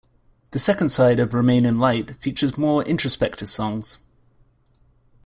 The second side of "Remain in Light" features more introspective songs.